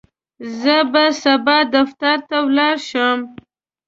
زه به سبا دفتر ته ولاړ شم.